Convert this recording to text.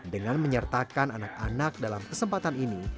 dengan menyertakan anak anak dalam kesempatan ini